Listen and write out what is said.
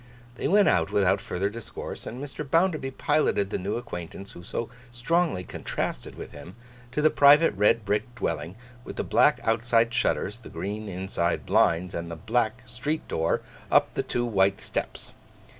They went out without further discourse; and Mr. Bounderby piloted the new acquaintance who so strongly contrasted with him, to the private red brick dwelling, with the black outside shutters, the green inside blinds, and the black street door up the two white steps.